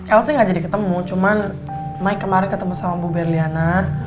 el sih gak jadi ketemu cuman mike kemarin ketemu sama bu berliana